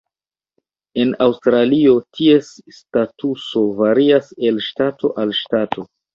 En Aŭstralio, ties statuso varias el ŝtato al ŝtato.